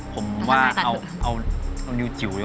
ผมว่าเอานิวจิ๋วได้ก่อน